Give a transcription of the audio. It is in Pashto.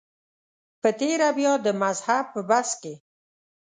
په تېره بیا د مذهب په بحث کې.